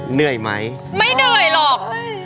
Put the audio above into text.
เหนื่อยไหมไม่เหนื่อยหรอก